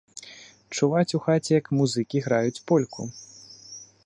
Чуваць у хаце, як музыкі граюць польку.